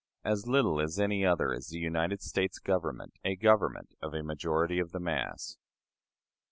As little as any other is the United States Government a government of a majority of the mass.